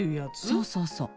そうそうそう！